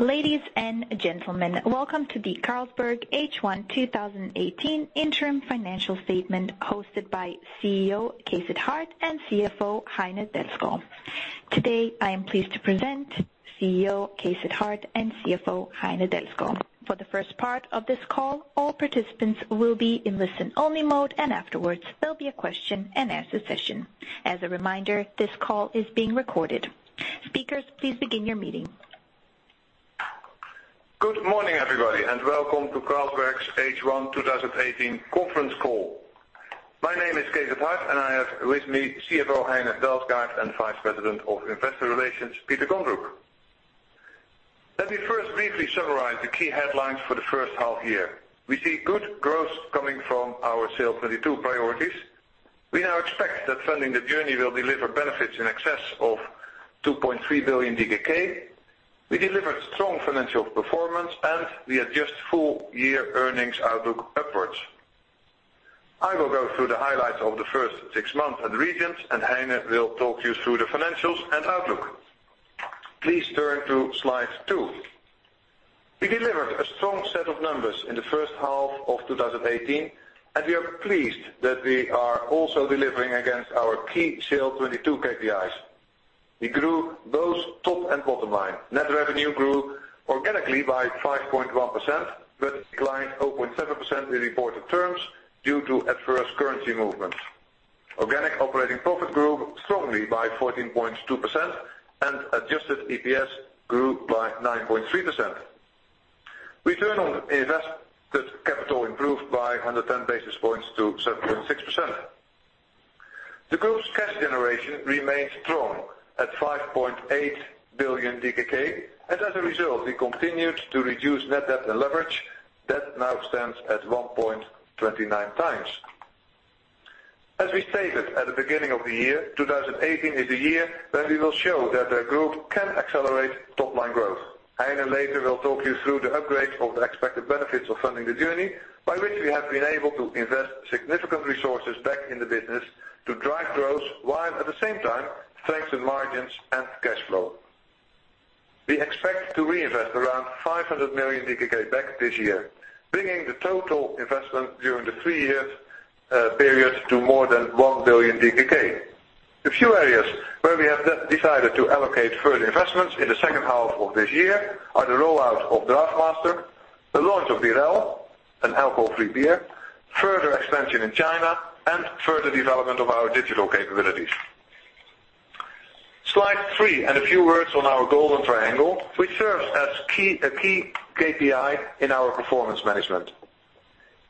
Ladies and gentlemen, welcome to the Carlsberg H1 2018 interim financial statement hosted by CEO Cees 't Hart and CFO Heine Dalsgaard. Today, I am pleased to present CEO Cees 't Hart and CFO Heine Dalsgaard. For the first part of this call, all participants will be in listen-only mode, and afterwards, there'll be a question and answer session. As a reminder, this call is being recorded. Speakers, please begin your meeting. Good morning, everybody. Welcome to Carlsberg's H1 2018 conference call. My name is Cees 't Hart. I have with me CFO Heine Dalsgaard and Vice President of Investor Relations, Peter Kondrup. Let me first briefly summarize the key headlines for the first half year. We see good growth coming from our SAIL '22 priorities. We now expect that Funding the Journey will deliver benefits in excess of 2.3 billion DKK. We delivered strong financial performance. We adjust full year earnings outlook upwards. I will go through the highlights of the first six months and regions. Heine will talk you through the financials and outlook. Please turn to Slide 2. We delivered a strong set of numbers in the first half of 2018. We are pleased that we are also delivering against our key SAIL '22 KPIs. We grew both top and bottom line. Net revenue grew organically by 5.1% but declined 0.7% in reported terms due to adverse currency movements. Organic operating profit grew strongly by 14.2%, and adjusted EPS grew by 9.3%. Return on invested capital improved by 110 basis points to 7.6%. The group's cash generation remains strong at 5.8 billion DKK, and as a result, we continued to reduce net debt and leverage that now stands at 1.29 times. As we stated at the beginning of the year, 2018 is a year where we will show that the group can accelerate top-line growth. Heine later will talk you through the upgrade of the expected benefits of Funding the Journey, by which we have been able to invest significant resources back in the business to drive growth, while at the same time strengthening margins and cash flow. We expect to reinvest around 500 million DKK back this year, bringing the total investment during the three-year period to more than 1 billion DKK. The few areas where we have decided to allocate further investments in the second half of this year are the rollout of DraughtMaster, the launch of Birell, an alcohol-free beer, further expansion in China, and further development of our digital capabilities. Slide 3. A few words on our Golden Triangle, which serves as a key KPI in our performance management.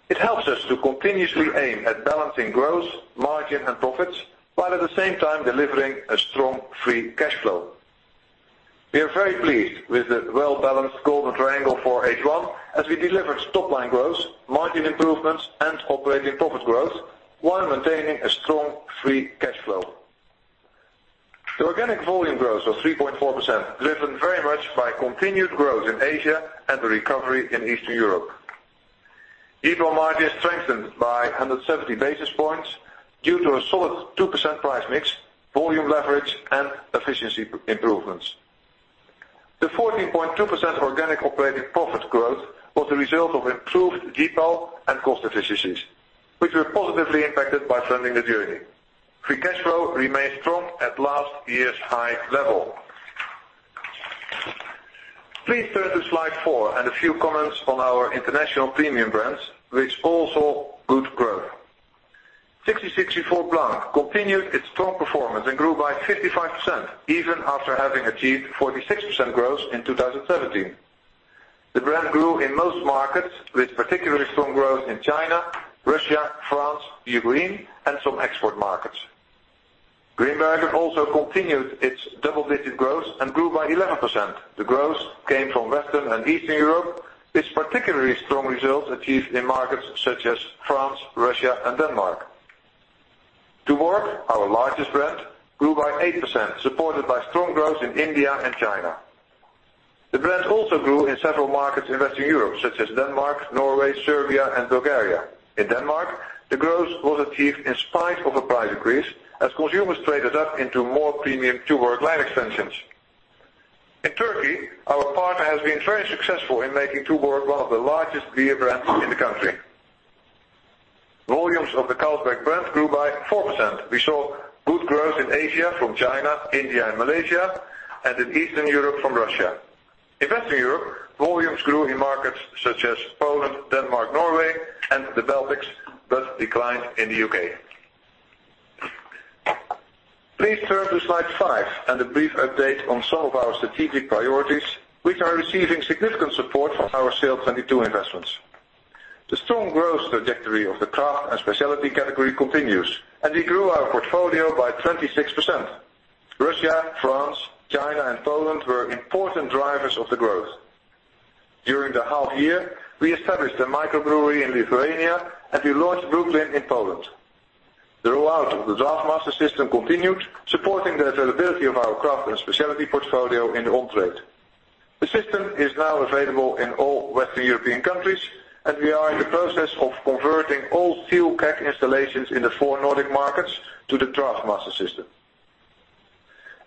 It helps us to continuously aim at balancing growth, margin, and profits, while at the same time delivering a strong free cash flow. We are very pleased with the well-balanced Golden Triangle for H1, as we delivered top-line growth, margin improvements, and operating profit growth while maintaining a strong free cash flow. The organic volume growth of 3.4% driven very much by continued growth in Asia and the recovery in Eastern Europe. EBITDA strengthened by 170 basis points due to a solid 2% price mix, volume leverage, and efficiency improvements. The 14.2% organic operating profit growth was a result of improved GPaL and cost efficiencies, which were positively impacted by Funding the Journey. Free cash flow remained strong at last year's high level. Please turn to Slide four and a few comments on our international premium brands, which all saw good growth. 1664 Blanc continued its strong performance and grew by 55%, even after having achieved 46% growth in 2017. Grimbergen also continued its double-digit growth and grew by 11%. The growth came from Western and Eastern Europe, with particularly strong results achieved in markets such as France, Russia, and Denmark. Tuborg, our largest brand, grew by 8%, supported by strong growth in India and China. The brand also grew in several markets in Western Europe, such as Denmark, Norway, Serbia, and Bulgaria. In Denmark, the growth was achieved in spite of a price increase as consumers traded up into more premium Tuborg line extensions. In Turkey, our partner has been very successful in making Tuborg one of the largest beer brands in the country. Volumes of the Carlsberg brand grew by 4%. We saw good growth in Asia from China, India, and Malaysia, and in Eastern Europe from Russia. In Western Europe, volumes grew in markets such as Poland, Denmark, Norway, and the Baltics, but declined in the U.K. Please turn to Slide five and a brief update on some of our strategic priorities, which are receiving significant support from our SAIL '22 investments. The strong growth trajectory of the craft and specialty category continues, and we grew our portfolio by 26%. Russia, France, China, and Poland were important drivers of the growth. During the half year, we established a microbrewery in Lithuania, and we launched Brooklyn in Poland. The rollout of the DraughtMaster system continued, supporting the availability of our craft and specialty portfolio in the on-trade. The system is now available in all Western European countries, and we are in the process of converting all steel keg installations in the four Nordic markets to the DraughtMaster system.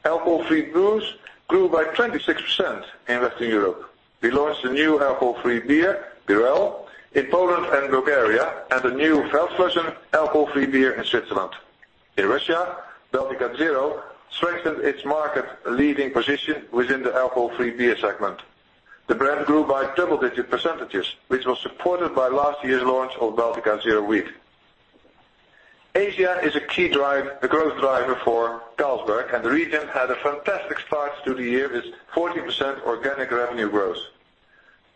Alcohol-free brews grew by 26% in Western Europe. We launched a new alcohol-free beer, Birell, in Poland and Bulgaria, and a new Veltins Alcohol-free beer in Switzerland. In Russia, Baltika 0 strengthened its market leading position within the alcohol-free beer segment. The brand grew by double-digit percentages, which was supported by last year's launch of Baltika #0 Wheat. Asia is a growth driver for Carlsberg, and the region had a fantastic start to the year with 14% organic revenue growth.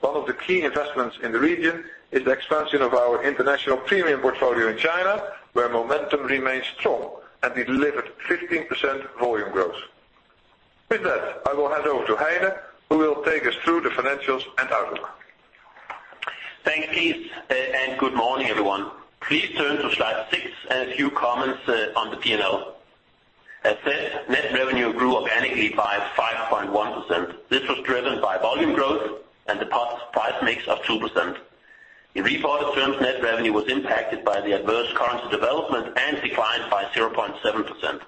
One of the key investments in the region is the expansion of our international premium portfolio in China, where momentum remains strong and delivered 15% volume growth. With that, I will hand over to Heine, who will take us through the financials and outlook. Thanks, Cees 't Hart, and good morning, everyone. Please turn to slide six and a few comments on the P&L. As said, net revenue grew organically by 5.1%. This was driven by volume growth and the positive price mix of 2%. In reported terms, net revenue was impacted by the adverse currency development and declined by 0.7%.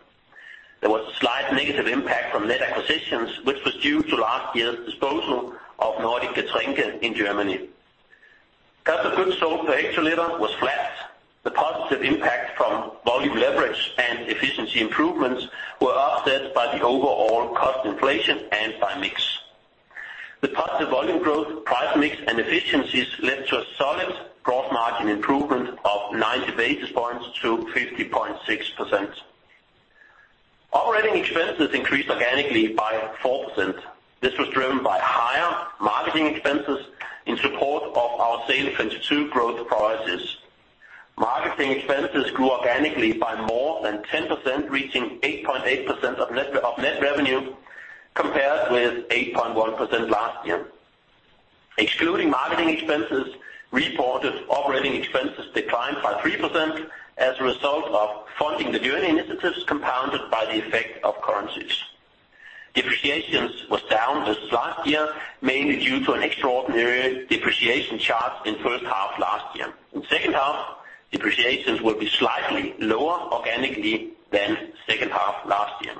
There was a slight negative impact from net acquisitions, which was due to last year's disposal of Nordic Getränke in Germany. Cost of goods sold per hectoliter was flat. The positive impact from volume leverage and efficiency improvements were offset by the overall cost inflation and by mix. The positive volume growth, price mix, and efficiencies led to a solid group margin improvement of 90 basis points to 50.6%. Operating expenses increased organically by 4%. This was driven by higher marketing expenses in support of our SAIL '22 growth priorities. Marketing expenses grew organically by more than 10%, reaching 8.8% of net revenue compared with 8.1% last year. Excluding marketing expenses, reported operating expenses declined by 3% as a result of Funding the Journey initiatives compounded by the effect of currencies. Depreciation was down this last year, mainly due to an extraordinary depreciation charge in the first half last year. In the second half, depreciation will be slightly lower organically than the second half last year.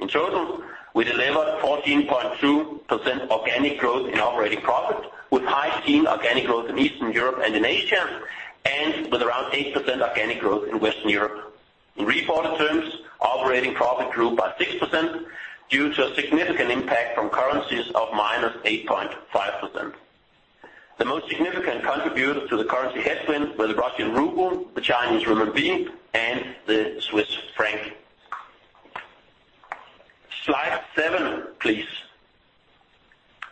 In total, we delivered 14.2% organic growth in operating profit, with high teen organic growth in Eastern Europe and in Asia, and with around 8% organic growth in Western Europe. In reported terms, operating profit grew by 6% due to a significant impact from currencies of -8.5%. The most significant contributor to the currency headwind were the Russian ruble, the Chinese renminbi, and the Swiss franc. Slide seven, please.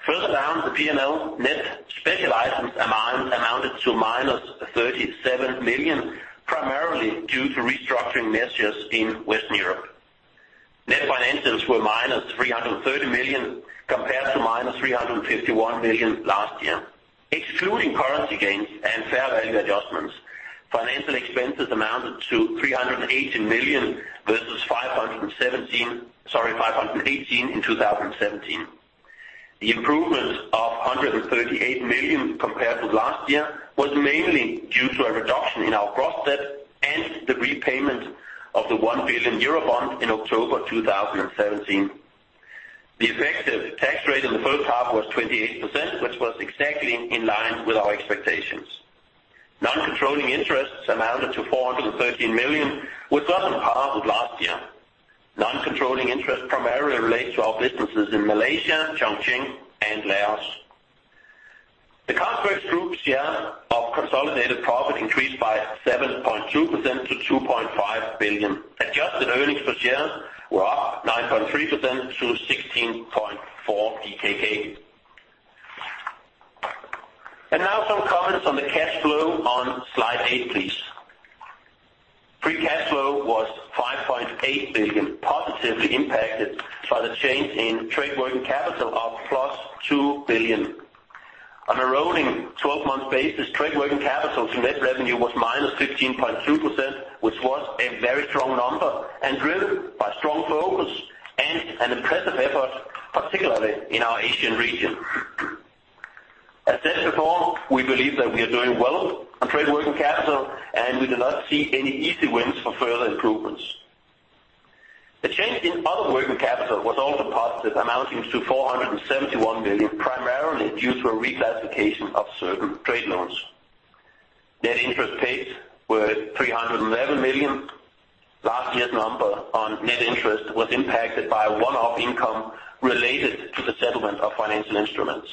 Further down the P&L, net special items amounted to -37 million, primarily due to restructuring measures in Western Europe. Net financials were -330 million compared to -351 million last year. Excluding currency gains and fair value adjustments, financial expenses amounted to 318 million versus 517, sorry, 518 in 2017. The improvement of 138 million compared to last year was mainly due to a reduction in our gross debt and the repayment of the 1 billion euro bond in October 2017. The effective tax rate in the first half was 28%, which was exactly in line with our expectations. Non-controlling interests amounted to 413 million, which was on par with last year. Non-controlling interest primarily relates to our businesses in Malaysia, Chongqing, and Laos. The Carlsberg Group's share of consolidated profit increased by 7.2% to 2.5 billion. Adjusted earnings per share were up 9.3% to 16.4. Now some comments on the cash flow on slide eight, please. Free cash flow was 5.8 billion, positively impacted by the change in trade working capital of plus 2 billion. On a rolling 12-month basis, trade working capital to net revenue was -15.2%, which was a very strong number and driven by strong focus and an impressive effort, particularly in our Asian region. As said before, we believe that we are doing well on trade working capital, and we do not see any easy wins for further improvements. The change in other working capital was also positive, amounting to 471 million, primarily due to a reclassification of certain trade loans. Net interest paid was 311 million. Last year's number on net interest was impacted by a one-off income related to the settlement of financial instruments.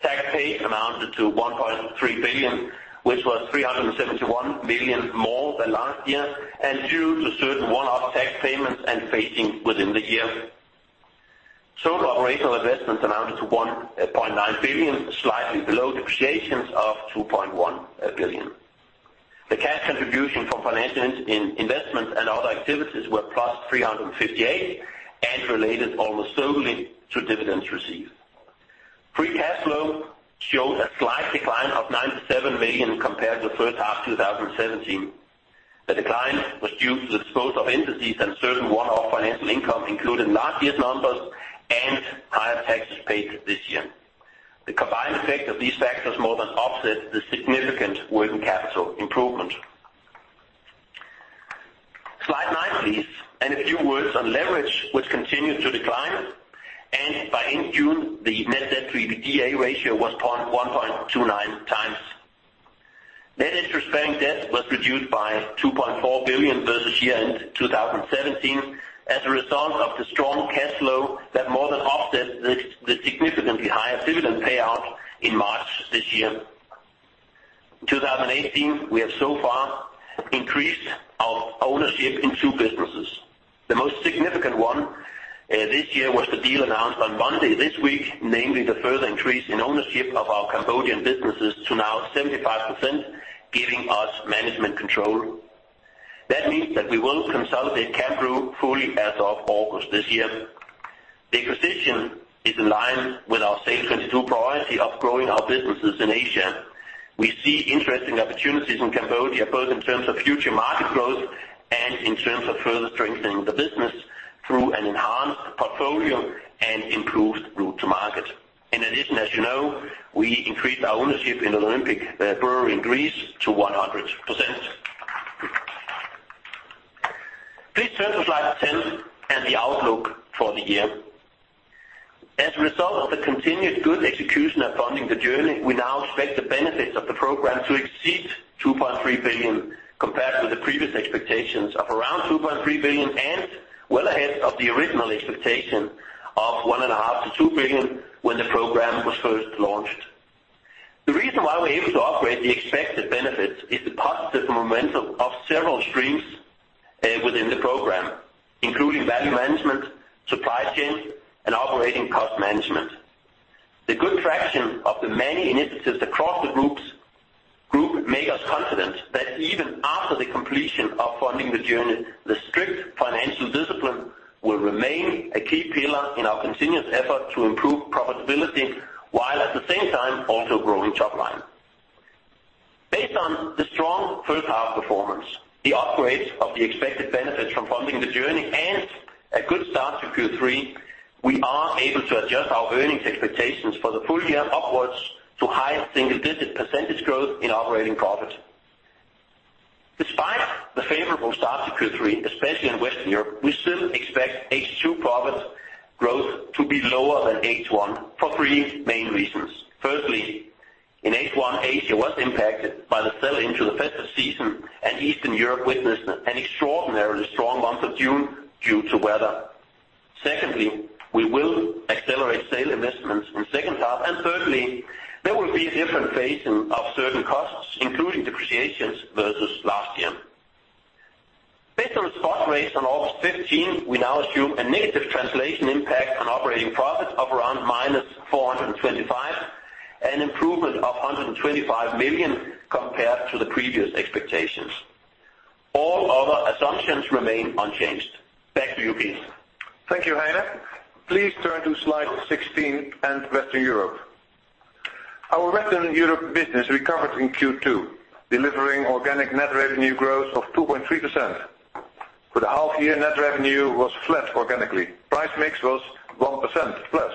Tax paid amounted to 1.3 billion, which was 371 million more than last year and due to certain one-off tax payments and phasing within the year. Total operational investments amounted to 1.9 billion, slightly below depreciation of 2.1 billion. The cash contribution from financial investments and other activities were 358 and related almost solely to dividends received. Free cash flow showed a slight decline of 97 million compared to the first half of 2017. The decline was due to the disposal of entities and certain one-off financial income included in last year's numbers and higher taxes paid this year. The combined effect of these factors more than offset the significant working capital improvement. Slide nine, please. A few words on leverage, which continued to decline, and by end June, the net debt to EBITDA ratio was 1.29x. Net interest-bearing debt was reduced by 2.4 billion versus year-end 2017 as a result of the strong cash flow that more than offset the significantly higher dividend payout in March this year. In 2018, we have so far increased our ownership in two businesses. The most significant one this year was the deal announced on Monday this week, namely the further increase in ownership of our Cambodian businesses to now 75%, giving us management control. That means that we will consolidate Cambrew fully as of August this year. The acquisition is in line with our Strategy 22 priority of growing our businesses in Asia. We see interesting opportunities in Cambodia, both in terms of future market growth and in terms of further strengthening the business through an enhanced portfolio and improved route to market. In addition, as you know, we increased our ownership in the Olympic Brewery in Greece to 100%. Please turn to Slide 10 and the outlook for the year. As a result of the continued good execution of Funding the Journey, we now expect the benefits of the program to exceed 2.3 billion, compared with the previous expectations of around 2.3 billion and well ahead of the original expectation of 1.5 billion to 2 billion when the program was first launched. The reason why we're able to upgrade the expected benefits is the positive momentum of several streams within the program, including value management, supply chain, and operating cost management. The good traction of the many initiatives across the group make us confident that even after the completion of Funding the Journey, the strict financial discipline will remain a key pillar in our continuous effort to improve profitability, while at the same time also growing top line. Based on the strong first half performance, the upgrade of the expected benefits from Funding the Journey, and a good start to Q3, we are able to adjust our earnings expectations for the full year upwards to high single-digit % growth in operating profit. Despite the favorable start to Q3, especially in Western Europe, we still expect H2 profit growth to be lower than H1 for three main reasons. Firstly, in H1, Asia was impacted by the sell into the festive season, and Eastern Europe witnessed an extraordinarily strong month of June due to weather. Secondly, we will accelerate SAIL investments in second half. Thirdly, there will be a different phasing of certain costs, including depreciations versus last year. Based on the spot rates on August 15, we now assume a negative translation impact on operating profit of around -425, an improvement of 125 million compared to the previous expectations. All other assumptions remain unchanged. Back to you, Cees. Thank you, Heine. Please turn to slide 16 and Western Europe. Our Western Europe business recovered in Q2, delivering organic net revenue growth of 2.3%. For the half year, net revenue was flat organically. Price mix was 1% plus.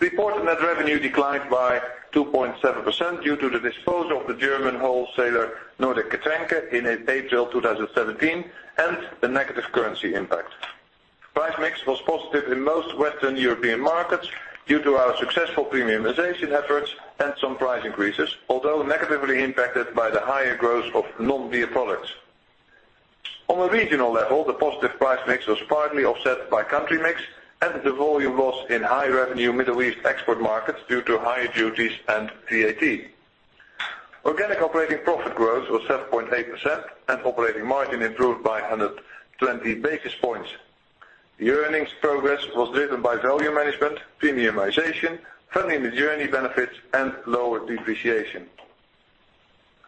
Reported net revenue declined by 2.7% due to the disposal of the German wholesaler, Nordic Getränke, in April 2017, and the negative currency impact. Price mix was positive in most Western European markets due to our successful premiumization efforts and some price increases, although negatively impacted by the higher growth of non-beer products. On a regional level, the positive price mix was partly offset by country mix and the volume loss in high-revenue Middle East export markets due to higher duties and VAT. Organic operating profit growth was 7.8%, and operating margin improved by 120 basis points. The earnings progress was driven by volume management, premiumization, Funding the Journey benefits, and lower depreciation.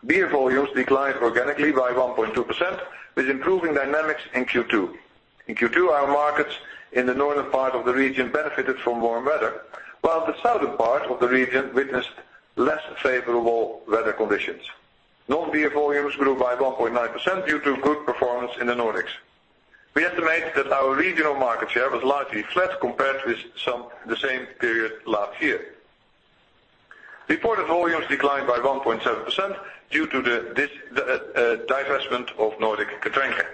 Beer volumes declined organically by 1.2%, with improving dynamics in Q2. In Q2, our markets in the northern part of the region benefited from warm weather, while the southern part of the region witnessed less favorable weather conditions. Non-beer volumes grew by 1.9% due to good performance in the Nordics. We estimate that our regional market share was largely flat compared with the same period last year. Reported volumes declined by 1.7% due to the divestment of Nordic Getränke.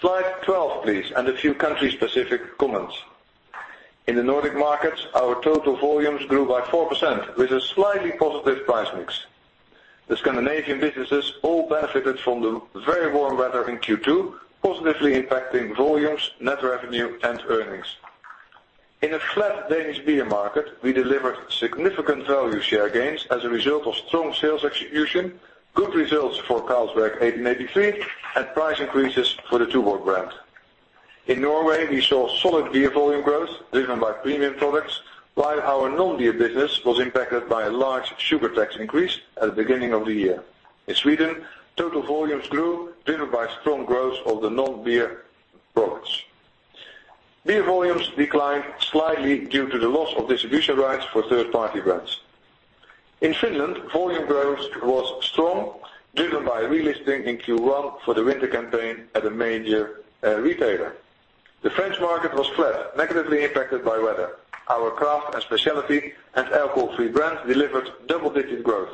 Slide 12, please, and a few country-specific comments. In the Nordic markets, our total volumes grew by 4%, with a slightly positive price mix. The Scandinavian businesses all benefited from the very warm weather in Q2, positively impacting volumes, net revenue, and earnings. In a flat Danish beer market, we delivered significant value share gains as a result of strong sales execution, good results for Carlsberg 1883, and price increases for the Tuborg brand. In Norway, we saw solid beer volume growth driven by premium products, while our non-beer business was impacted by a large sugar tax increase at the beginning of the year. In Sweden, total volumes grew, driven by strong growth of the non-beer products. Beer volumes declined slightly due to the loss of distribution rights for third-party brands. In Finland, volume growth was strong, driven by relisting in Q1 for the winter campaign at a major retailer. The French market was flat, negatively impacted by weather. Our craft and specialty and alcohol-free brands delivered double-digit growth.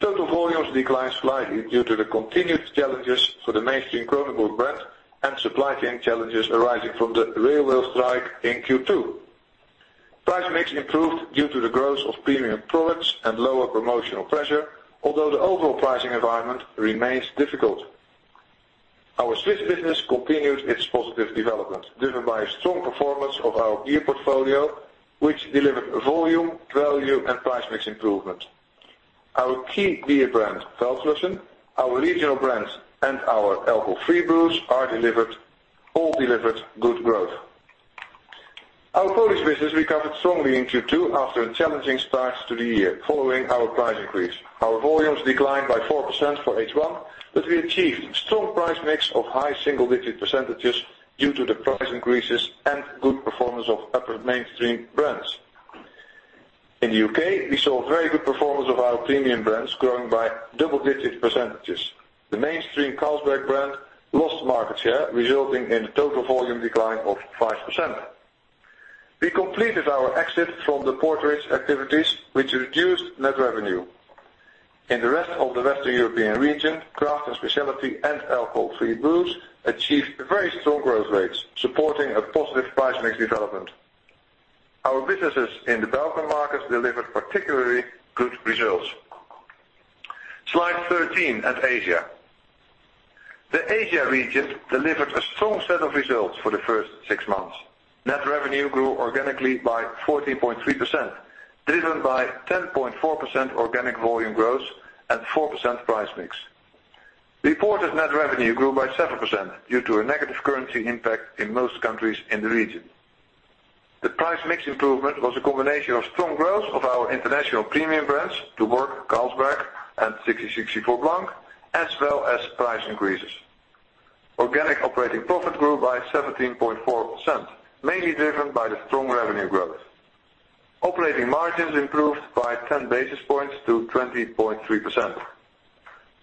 Total volumes declined slightly due to the continued challenges for the mainstream Kronenbourg brand and supply chain challenges arising from the rail strike in Q2. Price mix improved due to the growth of premium products and lower promotional pressure, although the overall pricing environment remains difficult. Our Swiss business continued its positive development, driven by a strong performance of our beer portfolio, which delivered volume, value, and price mix improvement. Our key beer brand, Feldschlösschen, our regional brands, and our alcohol-free brews all delivered good growth. Our Polish business recovered strongly in Q2 after a challenging start to the year following our price increase. Our volumes declined by 4% for H1, but we achieved strong price mix of high single-digit % due to the price increases and good performance of upper mainstream brands. In the U.K., we saw very good performance of our premium brands growing by double-digit %. The mainstream Carlsberg brand lost market share, resulting in a total volume decline of 5%. We completed our exit from the porterage activities, which reduced net revenue. In the rest of the Western European region, craft and specialty and alcohol-free brews achieved very strong growth rates, supporting a positive price mix development. Our businesses in the Balkan markets delivered particularly good results. Slide 13 at Asia. The Asia region delivered a strong set of results for the first six months. Net revenue grew organically by 14.3%, driven by 10.4% organic volume growth and 4% price mix. Reported net revenue grew by 7% due to a negative currency impact in most countries in the region. The price mix improvement was a combination of strong growth of our international premium brands, Tuborg, Carlsberg, and 1664 Blanc, as well as price increases. Organic operating profit grew by 17.4%, mainly driven by the strong revenue growth. Operating margins improved by 10 basis points to 20.3%.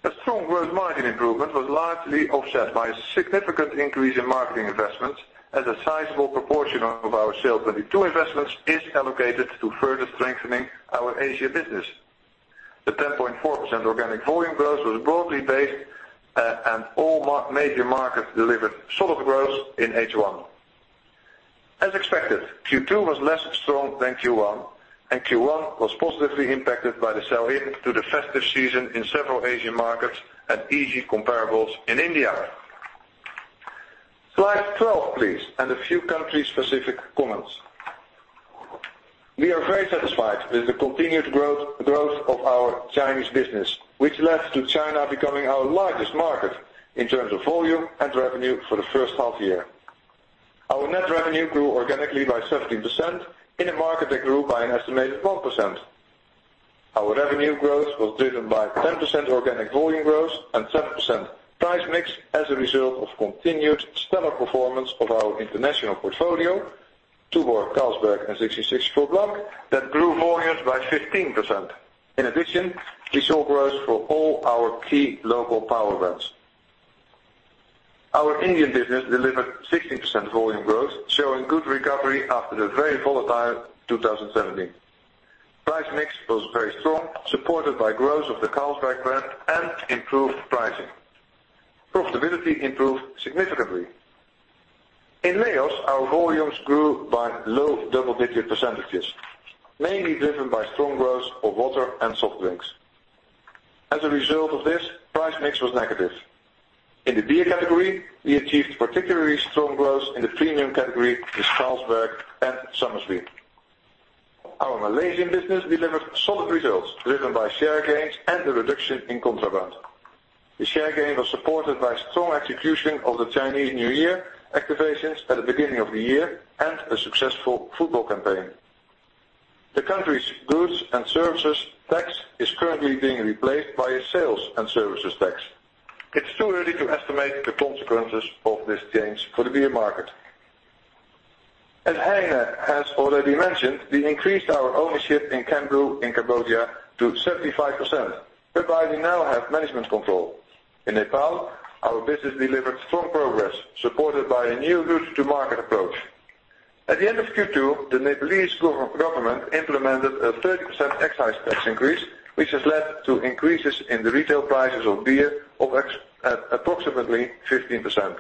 A strong gross margin improvement was largely offset by a significant increase in marketing investments as a sizable proportion of our SAIL '22 investments is allocated to further strengthening our Asia business. The 10.4% organic volume growth was broadly based, and all major markets delivered solid growth in H1. As expected, Q2 was less strong than Q1, and Q1 was positively impacted by the sell-in to the festive season in several Asian markets and easy comparables in India. Slide 12, please, and a few country-specific comments. We are very satisfied with the continued growth of our Chinese business, which led to China becoming our largest market in terms of volume and revenue for the first half year. Our net revenue grew organically by 17% in a market that grew by an estimated 1%. Our revenue growth was driven by 10% organic volume growth and 7% price mix as a result of continued stellar performance of our international portfolio, Tuborg, Carlsberg, and 1664 Blanc, that grew volumes by 15%. In addition, we saw growth for all our key local power brands. Our Indian business delivered 16% volume growth, showing good recovery after the very volatile 2017. Price mix was very strong, supported by growth of the Carlsberg brand and improved pricing. Profitability improved significantly. In Laos, our volumes grew by low double-digit %, mainly driven by strong growth of water and soft drinks. As a result of this, price mix was negative. In the beer category, we achieved particularly strong growth in the premium category with Carlsberg and Somersby. Our Malaysian business delivered solid results driven by share gains and a reduction in contraband. The share gain was supported by strong execution of the Chinese New Year activations at the beginning of the year and a successful football campaign. The country's goods and services tax is currently being replaced by a sales and services tax. It's too early to estimate the consequences of this change for the beer market. As Heine has already mentioned, we increased our ownership in Cambrew in Cambodia to 75%, whereby we now have management control. In Nepal, our business delivered strong progress, supported by a new go-to-market approach. At the end of Q2, the Nepalese government implemented a 30% excise tax increase, which has led to increases in the retail prices of beer of approximately 15%.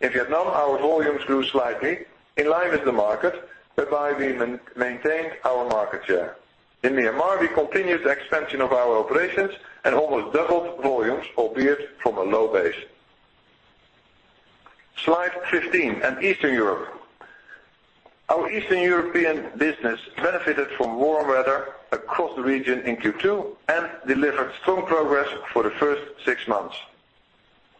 In Vietnam, our volumes grew slightly in line with the market, whereby we maintained our market share. In Myanmar, we continued the expansion of our operations and almost doubled volumes, albeit from a low base. Slide 15 and Eastern Europe. Our Eastern European business benefited from warm weather across the region in Q2 and delivered strong progress for the first six months.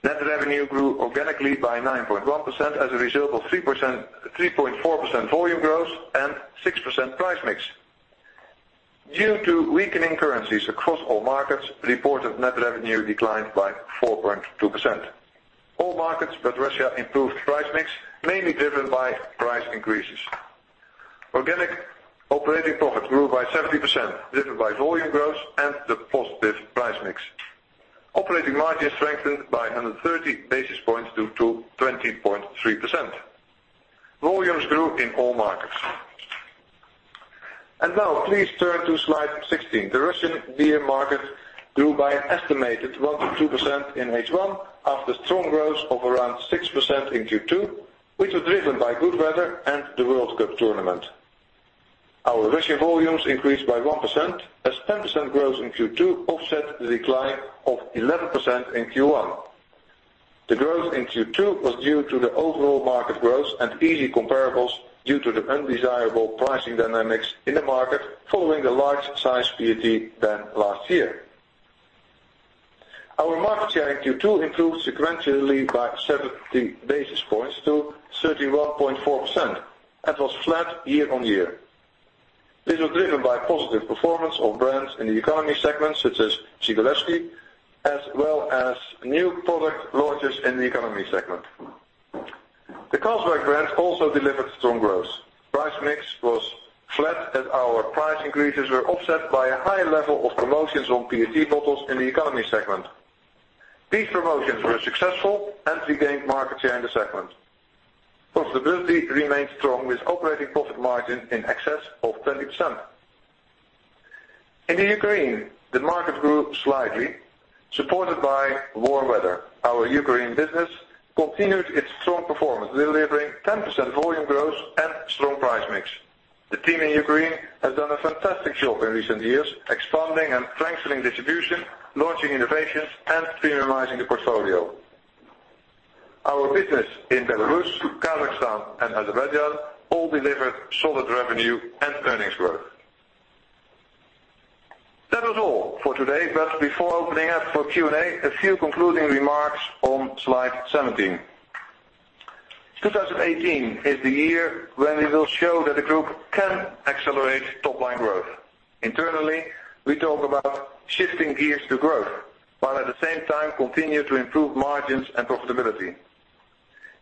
Net revenue grew organically by 9.1% as a result of 3.4% volume growth and 6% price mix. Due to weakening currencies across all markets, reported net revenue declined by 4.2%. All markets but Russia improved price mix, mainly driven by price increases. Organic operating profits grew by 70%, driven by volume growth and the positive price mix. Operating margin strengthened by 130 basis points due to 20.3%. Volumes grew in all markets. Now please turn to slide 16. The Russian beer market grew by an estimated 1%-2% in H1, after strong growth of around 6% in Q2, which was driven by good weather and the World Cup tournament. Our Russia volumes increased by 1% as 10% growth in Q2 offset the decline of 11% in Q1. The growth in Q2 was due to the overall market growth and easy comparables due to the undesirable pricing dynamics in the market following the large size PET ban last year. Our market share in Q2 improved sequentially by 70 basis points to 31.4% and was flat year on year. This was driven by positive performance of brands in the economy segment, such as Zhigulevskoye, as well as new product launches in the economy segment. The Carlsberg brand also delivered strong growth. Price mix was flat as our price increases were offset by a high level of promotions on PET bottles in the economy segment. These promotions were successful and regained market share in the segment. Profitability remained strong with operating profit margin in excess of 20%. In the Ukraine, the market grew slightly, supported by warm weather. Our Ukraine business continued its strong performance, delivering 10% volume growth and strong price mix. The team in Ukraine has done a fantastic job in recent years, expanding and strengthening distribution, launching innovations, and premiumizing the portfolio. Our business in Belarus, Kazakhstan, and Azerbaijan all delivered solid revenue and earnings growth. That was all for today, but before opening up for Q&A, a few concluding remarks on slide 17. 2018 is the year when we will show that the group can accelerate top-line growth. Internally, we talk about shifting gears to growth, while at the same time continue to improve margins and profitability.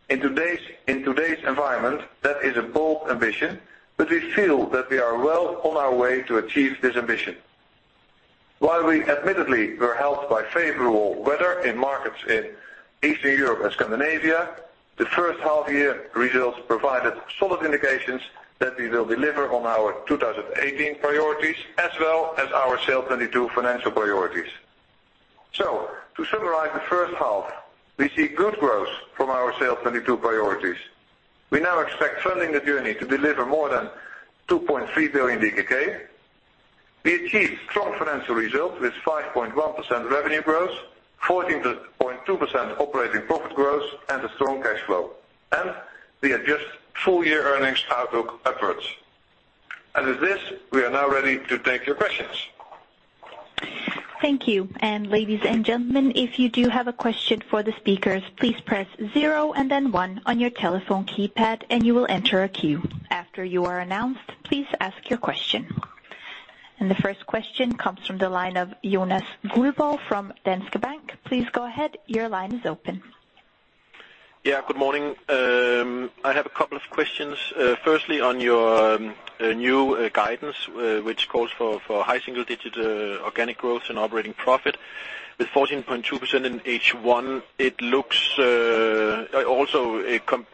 In today's environment, that is a bold ambition, but we feel that we are well on our way to achieve this ambition. While we admittedly were helped by favorable weather in markets in Eastern Europe and Scandinavia, the first half year results provided solid indications that we will deliver on our 2018 priorities as well as our SAIL '22 financial priorities. To summarize the first half, we see good growth from our SAIL '22 priorities. We now expect Funding the Journey to deliver more than 2.3 billion DKK. We achieved strong financial results with 5.1% revenue growth, 14.2% operating profit growth, and a strong cash flow. We adjust full year earnings outlook upwards. With this, we are now ready to take your questions. Thank you. Ladies and gentlemen, if you do have a question for the speakers, please press zero and then one on your telephone keypad and you will enter a queue. After you are announced, please ask your question. The first question comes from the line of Jonas Guldborg from Danske Bank. Please go ahead. Your line is open. Good morning. I have a couple of questions. Firstly, on your new guidance, which calls for high single-digit organic growth and operating profit with 14.2% in H1.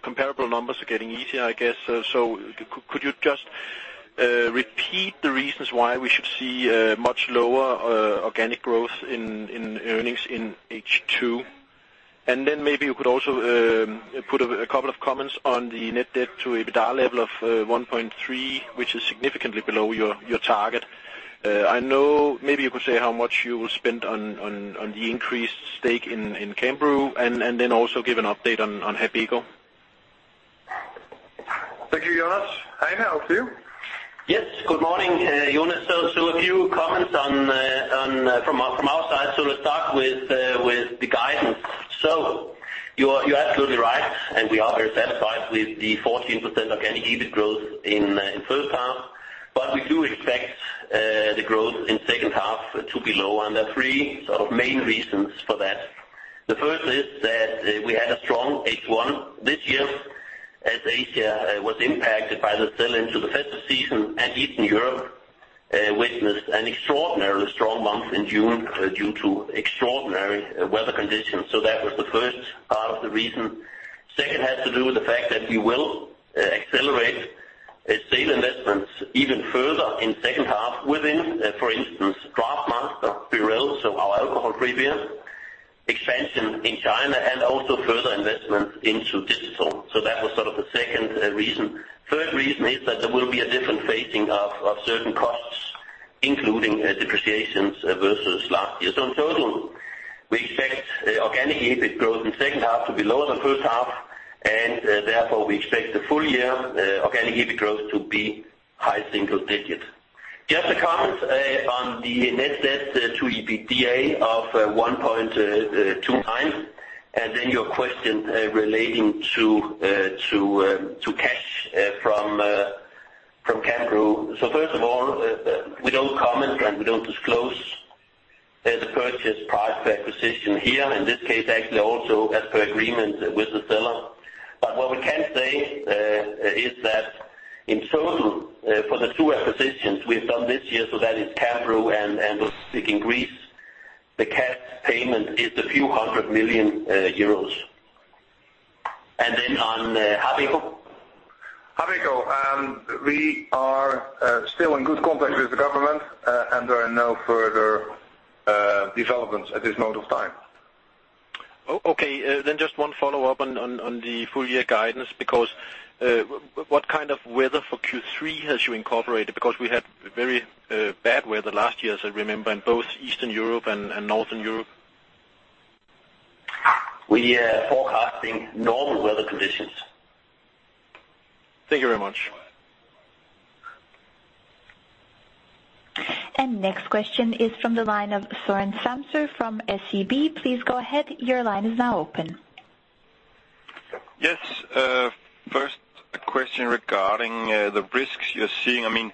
Comparable numbers are getting easier, I guess. Could you just repeat the reasons why we should see much lower organic growth in earnings in H2? Then maybe you could also put a couple of comments on the net debt to EBITDA level of 1.3, which is significantly below your target. Maybe you could say how much you will spend on the increased stake in Cambrew and then also give an update on Habeco. Thank you, Jonas. Heine, over to you. Yes. Good morning, Jonas. A few comments from our side. Let's start with the guidance. You are absolutely right, and we are very satisfied with the 14% organic EBIT growth in first half. We do expect the growth in second half to be lower and there are three main reasons for that. The first is that we had a strong H1 this year as Asia was impacted by the sell into the festive season and Eastern Europe witnessed an extraordinarily strong month in June due to extraordinary weather conditions. That was the first part of the reason. Second has to do with the fact that we will accelerate SAIL investments even further in second half within, for instance, DraughtMaster, Birell, so our alcohol-free beer, expansion in China, and also further investment into digital. That was the second reason. Third reason is that there will be a different phasing of certain costs, including depreciations versus last year. In total, we expect organic EBIT growth in second half to be lower than first half, and therefore, we expect the full year organic EBIT growth to be high single digits. Just a comment on the net debt to EBITDA of 1.2 times, and then your question relating to cash from. First of all, we don't comment and we don't disclose the purchase price per acquisition here, in this case, actually also as per agreement with the seller. What we can say is that in total, for the two acquisitions we've done this year, so that is Cambrew and Olympic Brewery in Greece, the cash payment is a few hundred million EUR. On Habeco? Habeco. We are still in good contact with the government, and there are no further developments at this moment of time. Okay. Just one follow-up on the full year guidance, because what kind of weather for Q3 has you incorporated? Because we had very bad weather last year, as I remember, in both Eastern Europe and Northern Europe. We are forecasting normal weather conditions. Thank you very much. Next question is from the line of Søren Samsøe from SEB. Please go ahead, your line is now open. Yes. First question regarding the risks you're seeing.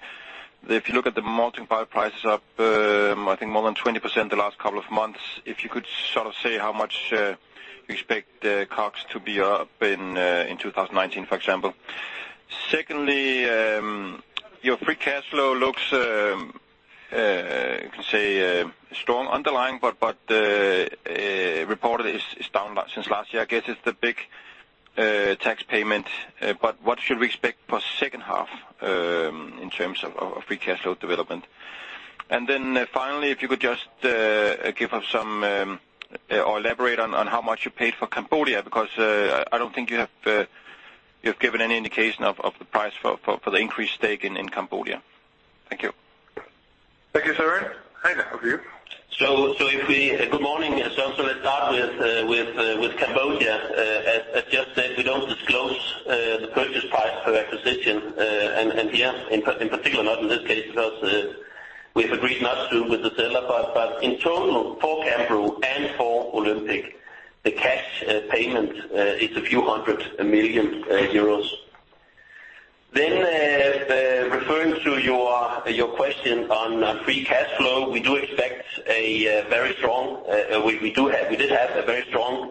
If you look at the malt and barley prices up, I think more than 20% the last couple of months, if you could sort of say how much you expect the costs to be up in 2019, for example. Secondly, your free cash flow looks, you can say, strong underlying, but reported is down since last year. I guess it's the big tax payment. What should we expect for second half in terms of free cash flow development? Then finally, if you could just give us some or elaborate on how much you paid for Cambodia, because I don't think you've given any indication of the price for the increased stake in Cambodia. Thank you. Thank you, Søren. Heine for you. Good morning, Søren. Let's start with Cambodia. As just said, we don't disclose the purchase price per acquisition. Here in particular, not in this case because we have agreed not to with the seller, but in total, for Cambrew and for Olympic, the cash payment is a few hundred million EUR. Referring to your question on free cash flow, we did have a very strong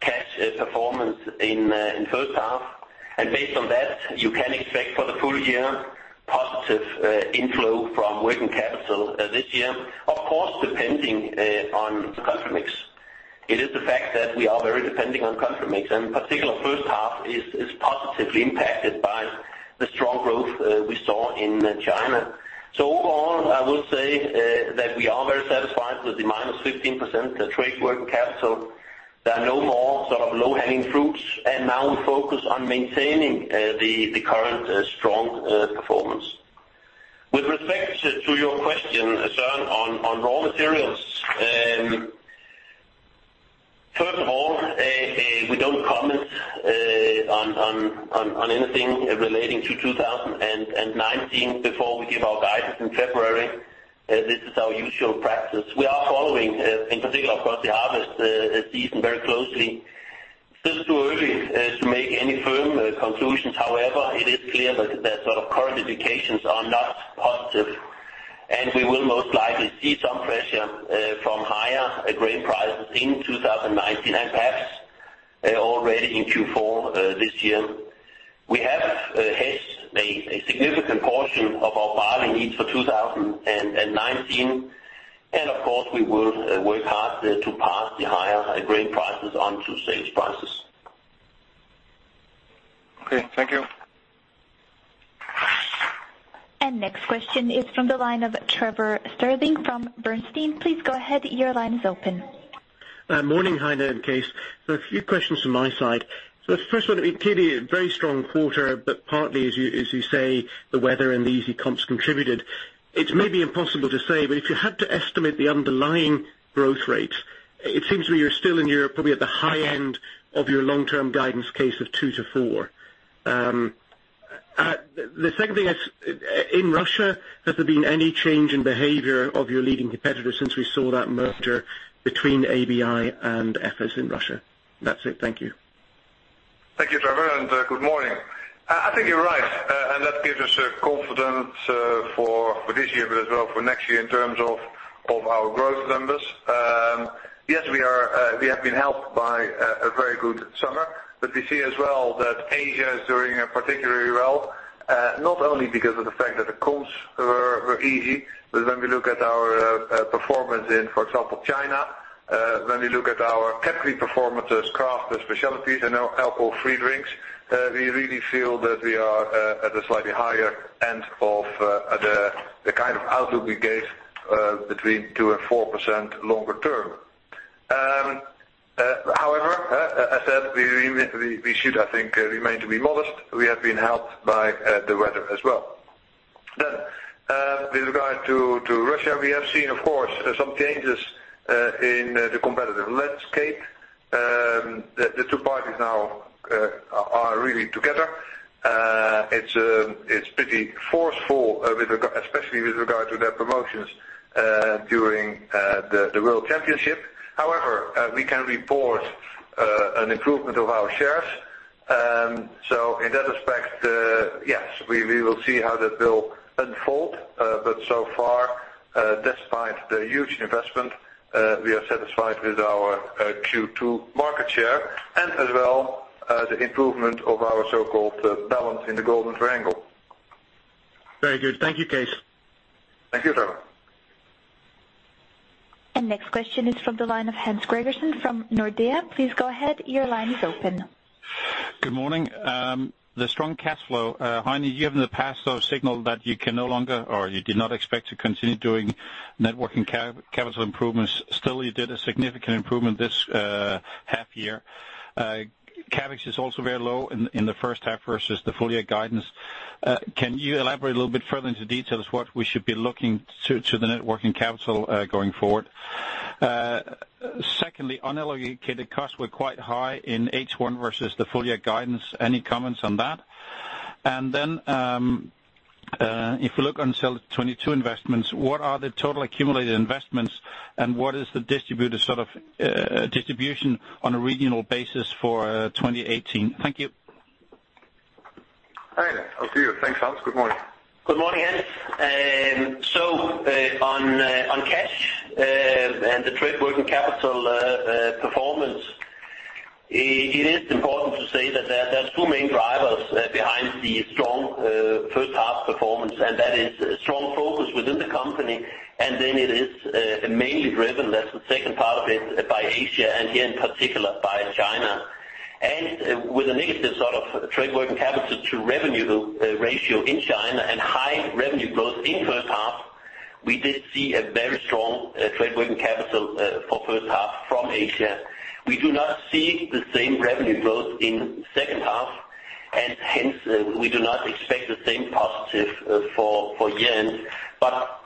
cash performance in first half. Based on that, you can expect for the full year, positive inflow from working capital this year. Of course, depending on the country mix. It is the fact that we are very depending on country mix, and particular first half is positively impacted by the strong growth we saw in China. Overall, I will say that we are very satisfied with the -15% trade working capital. There are no more low-hanging fruits, now we focus on maintaining the current strong performance. With respect to your question, Søren, on raw materials. First of all, we don't comment on anything relating to 2019 before we give our guidance in February. This is our usual practice. We are following, in particular, of course, the harvest season very closely. Still too early to make any firm conclusions. However, it is clear that current indications are not positive, we will most likely see some pressure from higher grain prices in 2019, and perhaps already in Q4 this year. We have hedged a significant portion of our barley needs for 2019, of course, we will work hard to pass the higher grain prices on to sales prices. Okay, thank you. Next question is from the line of Trevor Stirling from Bernstein. Please go ahead, your line is open. Morning. Hi, there. Cees. A few questions from my side. The first one, clearly a very strong quarter, but partly as you say, the weather and the easy comps contributed. It's maybe impossible to say, but if you had to estimate the underlying growth rate, it seems to me you're still in Europe, probably at the high end of your long-term guidance case of 2%-4%. The second thing is, in Russia, has there been any change in behavior of your leading competitor since we saw that merger between ABI and Efes in Russia? That's it. Thank you. Thank you, Trevor, and good morning. I think you're right. That gives us confidence for this year, but as well for next year in terms of our growth numbers. Yes, we have been helped by a very good summer. We see as well that Asia is doing particularly well, not only because of the fact that the comps were easy, but when we look at our performance in, for example, China, when we look at our category performance as craft specialties and now alcohol-free drinks, we really feel that we are at a slightly higher end of the kind of outlook we gave between 2% and 4% longer term. However, as said, we should, I think, remain to be modest. We have been helped by the weather as well. With regard to Russia, we have seen, of course, some changes in the competitive landscape. The two parties now are really together. It's pretty forceful, especially with regard to their promotions during the World Championship. However, we can report an improvement of our shares. In that aspect, yes, we will see how that will unfold. So far, despite the huge investment, we are satisfied with our Q2 market share and as well the improvement of our so-called balance in the Golden Triangle. Very good. Thank you, Cees. Thank you, Trevor. Next question is from the line of Hans Gregersen from Nordea. Please go ahead. Your line is open. Good morning. The strong cash flow. Heine, you have in the past though signaled that you can no longer or you did not expect to continue doing net working capital improvements. Still, you did a significant improvement this half year. CapEx is also very low in the first half versus the full year guidance. Can you elaborate a little bit further into details what we should be looking to the net working capital going forward? Secondly, unallocated costs were quite high in H1 versus the full year guidance. Any comments on that? Then, if you look on SAIL '22 investments, what are the total accumulated investments and what is the distribution on a regional basis for 2018? Thank you. Heine, up to you. Thanks, Hans. Good morning. On cash and the trade working capital performance, it is important to say that there are two main drivers behind the strong first half performance, and that is a strong focus within the company, and then it is mainly driven, that's the second part of it, by Asia, and here in particular by China. With a negative sort of trade working capital to revenue ratio in China and high revenue growth in first half, we did see a very strong trade working capital for first half from Asia. We do not see the same revenue growth in second half, hence we do not expect the same positive for year-end.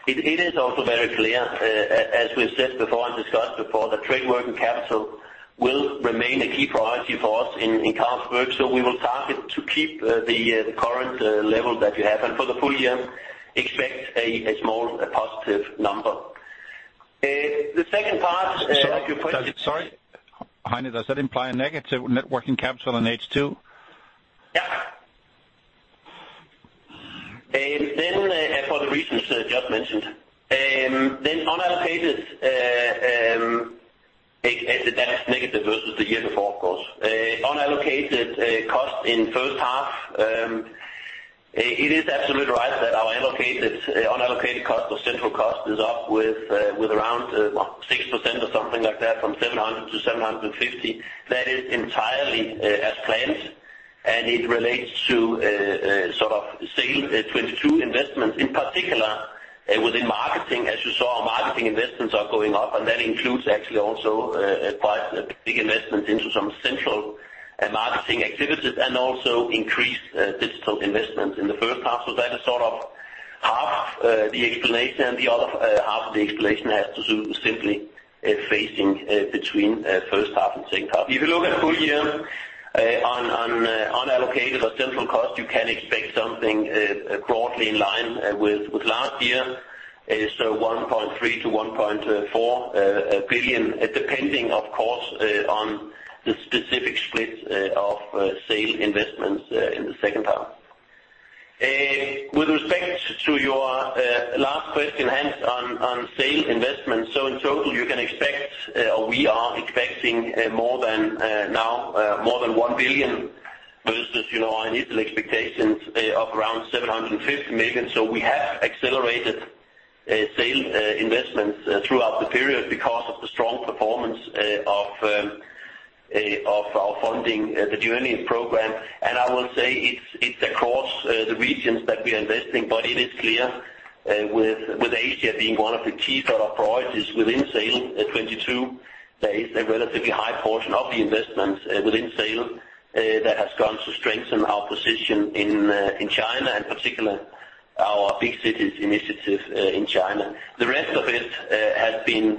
It is also very clear, as we said before and discussed before, that trade working capital will remain a key priority for us in Carlsberg. We will target to keep the current level that we have, and for the full year expect a small positive number. The second part of your question. Sorry, Heine, does that imply a negative net working capital in H2? For the reasons just mentioned. Unallocated, that's negative versus the year before, of course. Unallocated cost in first half, it is absolutely right that our unallocated cost or central cost is up with around 6% or something like that from 700 to 750. That is entirely as planned, and it relates to SAIL '22 investments, in particular within marketing. As you saw, our marketing investments are going up, and that includes actually also quite big investments into some central marketing activities and also increased digital investments in the first half. That is half the explanation. The other half of the explanation has to do with simply phasing between first half and second half. If you look at full year on unallocated or central cost, you can expect something broadly in line with last year. 1.3 billion-1.4 billion, depending of course, on the specific split of SAIL investments in the second half. With respect to your last question, Hans, on SAIL investments. In total, you can expect or we are expecting now more than 1 billion versus our initial expectations of around 750 million. We have accelerated SAIL investments throughout the period because of the strong performance of our Funding the Journey program. I will say it's across the regions that we are investing, but it is clear with Asia being one of the key priorities within SAIL '22, there is a relatively high portion of the investments within SAIL that has gone to strengthen our position in China, in particular our Big Cities initiative in China. The rest of it has been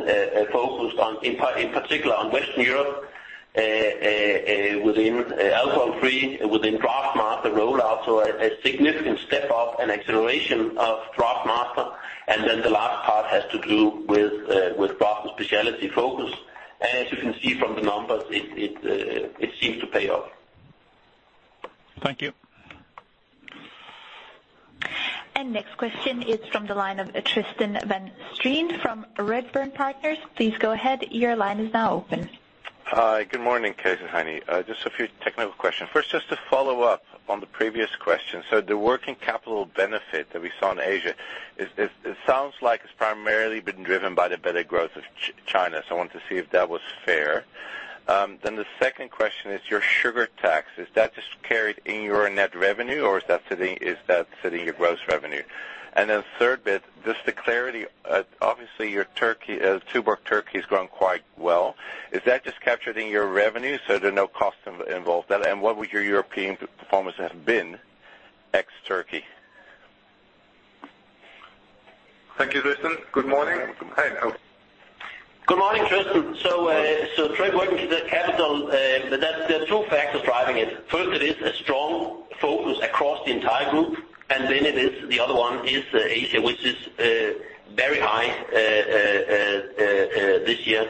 focused in particular on Western Europe, within alcohol-free, within DraughtMaster rollout. A significant step up and acceleration of DraughtMaster. The last part has to do with craft and specialty focus. As you can see from the numbers, it seems to pay off. Thank you. Next question is from the line of Tristan van Strien from Redburn Partners. Please go ahead. Your line is now open. Hi, good morning, Cees and Heine. Just a few technical questions. First, just to follow up on the previous question. The working capital benefit that we saw in Asia, it sounds like it's primarily been driven by the better growth of China. I wanted to see if that was fair. The second question is your sugar tax. Is that just carried in your net revenue or is that sitting in your gross revenue? Third bit, just the clarity, obviously your Tuborg Turkey has grown quite well. Is that just captured in your revenue, so there are no costs involved? What would your European performance have been ex Turkey? Thank you, Tristan. Good morning. Heine over to you. Good morning, Tristan. Trade working capital, there are two factors driving it. First, it is a strong focus across the entire group, and then the other one is Asia, which is very high this year.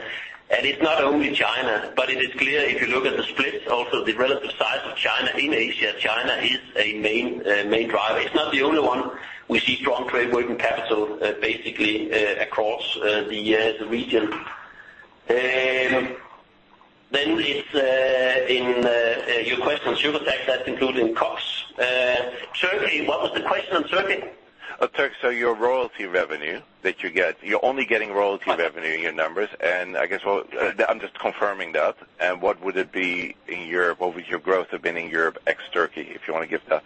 It's not only China, but it is clear if you look at the splits, also the relative size of China in Asia, China is a main driver. It's not the only one. We see strong trade working capital basically, across the region. Your question on sugar tax, that's included in costs. Turkey, what was the question on Turkey? Turkey. Your royalty revenue that you get, you're only getting royalty revenue in your numbers, and I guess, well, I'm just confirming that. What would it be in Europe? What would your growth have been in Europe ex Turkey, if you want to give that?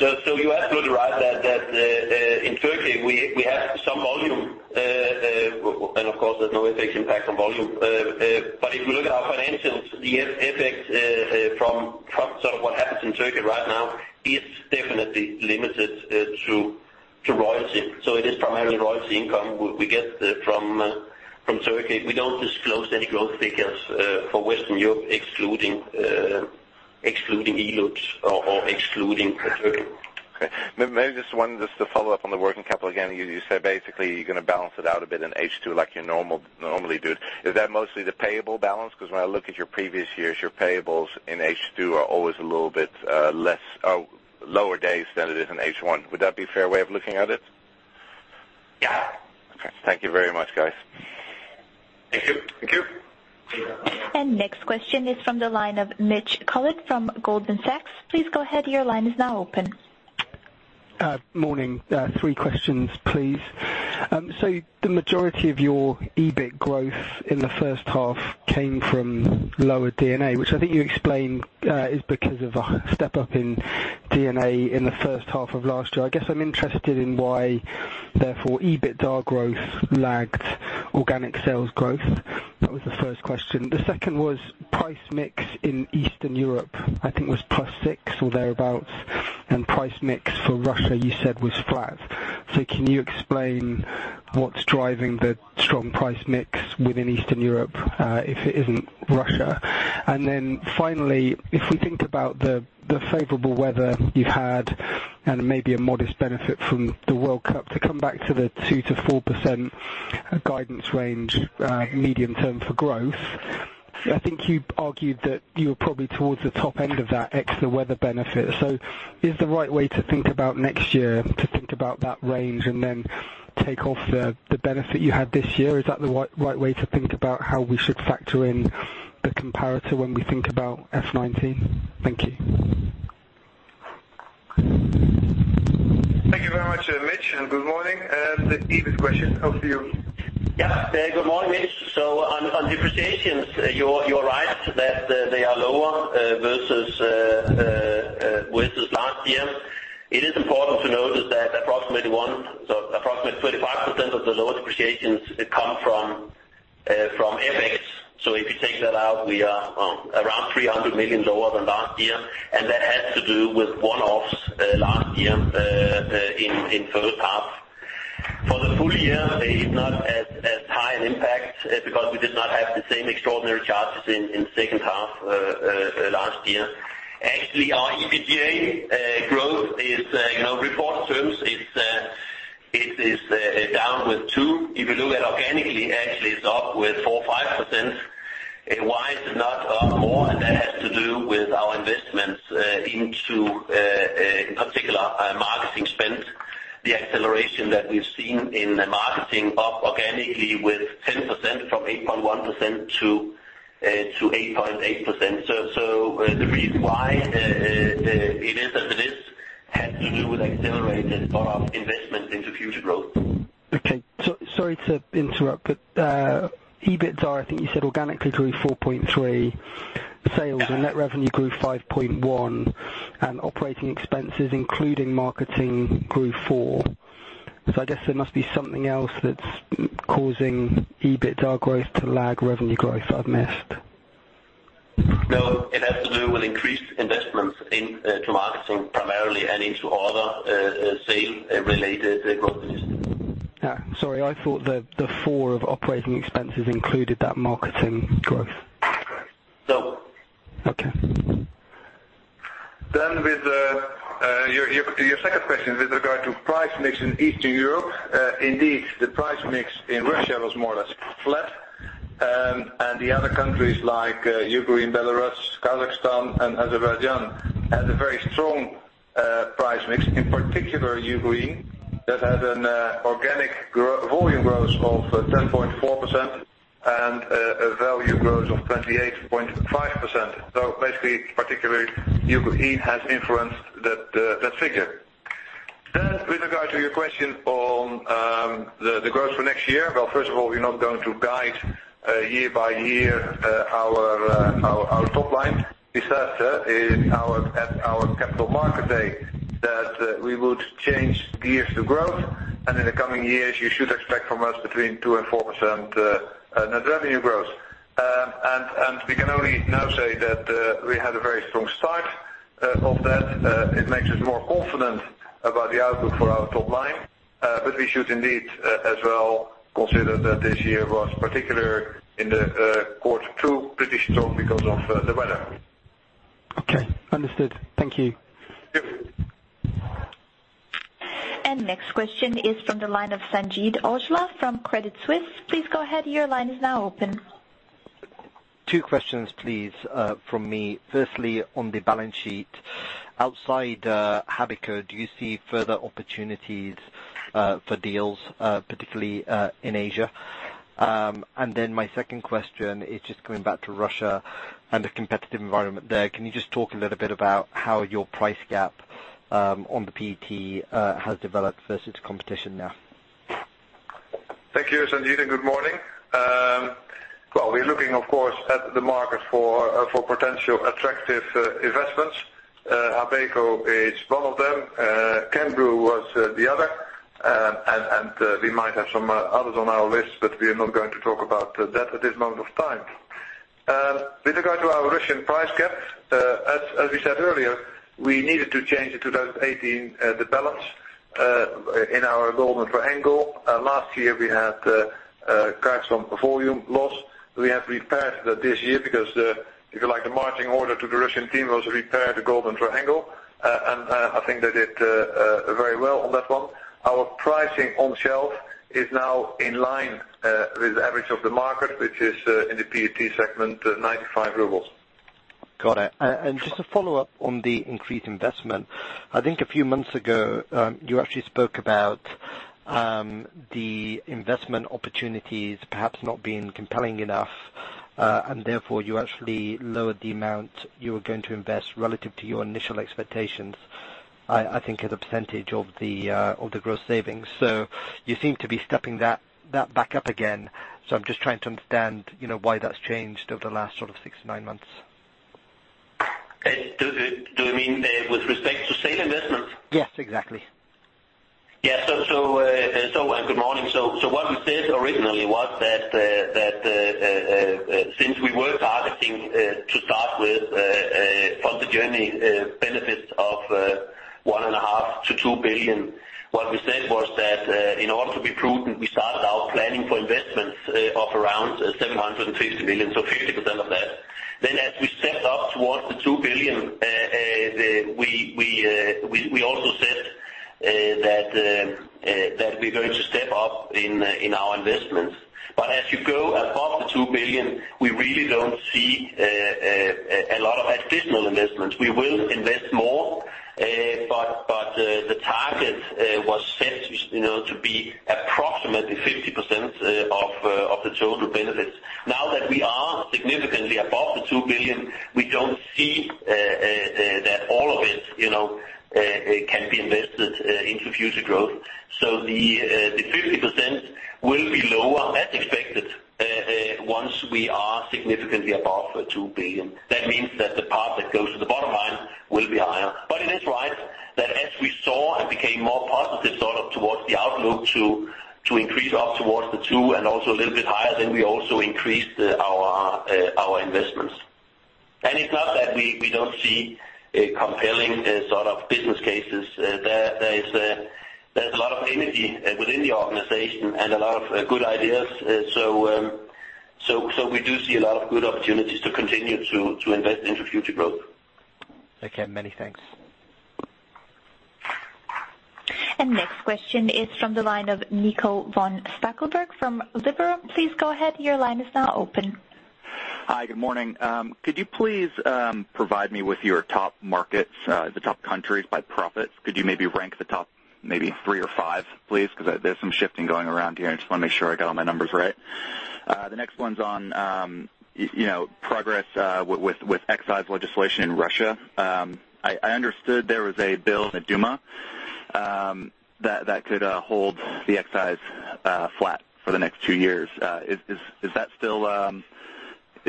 You asked rightly that in Turkey we have some volume, and of course there's no FX impact on volume. If you look at our financials, the FX from sort of what happens in Turkey right now, is definitely limited to royalty. It is primarily royalty income we get from Turkey. We don't disclose any growth figures for Western Europe excluding export or excluding Turkey. Okay. Maybe just one to follow up on the working capital again. You said basically you're going to balance it out a bit in H2 like you normally do. Is that mostly the payable balance? When I look at your previous years, your payables in H2 are always a little bit less, or lower days than it is in H1. Would that be a fair way of looking at it? Yeah. Okay. Thank you very much, guys. Thank you. Thank you. Next question is from the line of Mitch Collett from Goldman Sachs. Please go ahead. Your line is now open. Morning. Three questions, please. The majority of your EBIT growth in the first half came from lower D&A, which I think you explained, is because of a step up in D&A in the first half of last year. I guess I'm interested in why, therefore, EBITDAR growth lagged organic sales growth. That was the first question. The second was price mix in Eastern Europe, I think was plus six or thereabout, and price mix for Russia, you said was flat. Can you explain what's driving the strong price mix within Eastern Europe, if it isn't Russia? Finally, if we think about the favorable weather you had and maybe a modest benefit from the World Cup to come back to the 2%-4% guidance range, medium term for growth. I think you argued that you were probably towards the top end of that extra weather benefit. Is the right way to think about next year, to think about that range and then take off the benefit you had this year? Is that the right way to think about how we should factor in the comparator when we think about FY 2019? Thank you. Thank you very much, Mitch, and good morning. The EBIT question, over to you. Good morning, Mitch. On depreciations, you are right that they are lower versus last year. It is important to notice that approximately 35% of the lower depreciations come from FX. If you take that out, we are around 300 million lower than last year. That has to do with one-offs last year, in the first half. For the full year, it is not as high an impact because we did not have the same extraordinary charges in second half last year. Actually, our EBITDA growth is, in reported terms, it is down with 2%. If you look at organically, actually it is up with 4% or 5%. Why is it not up more? That has to do with our investments, in particular, marketing spend. The acceleration that we have seen in marketing up organically with 10%, from 8.1% to 8.8%. The reason why it is as it is, has to do with accelerated or investment into future growth. Sorry to interrupt. EBITDA, I think you said organically grew 4.3% sales and net revenue grew 5.1%, and operating expenses, including marketing, grew 4%. I guess there must be something else that's causing EBITDA growth to lag revenue growth I've missed. No, it has to do with increased investments into marketing primarily and into other sales related growth. Sorry. I thought the 4 of operating expenses included that marketing growth. No. Okay. With your second question with regard to price mix in Eastern Europe. Indeed, the price mix in Russia was more or less flat. The other countries like Ukraine, Belarus, Kazakhstan, and Azerbaijan had a very strong price mix. In particular, Ukraine that had an organic volume growth of 10.4% and a value growth of 28.5%. Basically, particularly Ukraine has influenced that figure. With regard to your question on the growth for next year. Well, first of all, we're not going to guide year by year our top line. We said that at our Capital Market Day that we would change gears to growth. In the coming years, you should expect from us between 2% and 4% net revenue growth. We can only now say that we had a very strong start of that. It makes us more confident about the outlook for our top line. We should indeed as well consider that this year was particular in the quarter two, pretty strong because of the weather. Okay. Understood. Thank you. Yep. Next question is from the line of Sanjeet Aujla from Credit Suisse. Please go ahead. Your line is now open. Two questions please, from me. Firstly, on the balance sheet. Outside Habeco, do you see further opportunities for deals, particularly, in Asia? Then my second question is just coming back to Russia and the competitive environment there. Can you just talk a little bit about how your price gap on the PET has developed versus competition now? Thank you, Sanjeet, and good morning. Well, we're looking, of course, at the market for potential attractive investments. Habeco is one of them. Cambrew was the other. We might have some others on our list, but we are not going to talk about that at this moment of time. With regard to our Russian price gaps, as we said earlier, we needed to change in 2018, the balance in our Golden Triangle. Last year, we had quite some volume loss. We have repaired that this year because if you like, the marching order to the Russian team was repair the Golden Triangle. I think they did very well on that one. Our pricing on shelf is now in line with the average of the market, which is in the PET segment, 95 rubles. Got it. Just to follow up on the increased investment. I think a few months ago, you actually spoke about the investment opportunities perhaps not being compelling enough, and therefore you actually lowered the amount you were going to invest relative to your initial expectations, I think as a percentage of the gross savings. You seem to be stepping that back up again. I'm just trying to understand why that's changed over the last 6 to 9 months. Do you mean with respect to SAIL investments? Yes, exactly. Yeah. Good morning. What we said originally was that since we were targeting to start with, from Funding the Journey, benefits of one and a half billion to 2 billion. What we said was that, in order to be prudent, we started our planning for investments of around 750 million, so 50% of that. As we stepped up towards the 2 billion, we also said that we're going to step up in our investments. As you go above the 2 billion, we really don't see a lot of additional investments. We will invest more, but the target was set to be approximately 50% of the total benefits. Now that we are significantly above the 2 billion, we don't see that all of it can be invested into future growth. The 50% will be lower as expected, once we are significantly above 2 billion. That means that the part that goes to the bottom line will be higher. It is right that as we saw and became more positive towards the outlook to increase up towards the 2 billion and also a little bit higher, we also increased our investments. It's not that we don't see compelling business cases. There's a lot of energy within the organization and a lot of good ideas. We do see a lot of good opportunities to continue to invest into future growth. Okay. Many thanks. Next question is from the line of Nico von Stackelberg from Liberum. Please go ahead. Your line is now open. Hi. Good morning. Could you please provide me with your top markets, the top countries by profits? Could you maybe rank the top, maybe three or five, please? There's some shifting going around here, and I just want to make sure I got all my numbers right. The next one's on progress with excise legislation in Russia. I understood there was a bill in the Duma that could hold the excise flat for the next 2 years. Is that still